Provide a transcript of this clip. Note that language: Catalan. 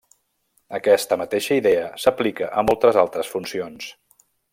Aquesta mateixa idea s'aplica a moltes altres funcions.